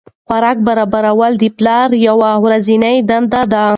خوراک برابرول د پلار یوه ورځنۍ دنده ده.